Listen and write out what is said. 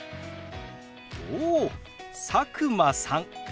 おお佐久間さんですね。